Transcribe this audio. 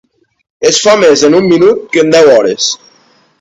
Es fa més en un minut que en deu hores.